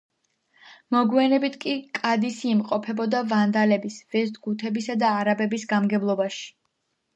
მოგვიანებით კი კადისი იმყოფებოდა ვანდალების, ვესტგუთების და არაბების გამგებლობაში.